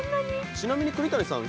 ちなみに栗谷さん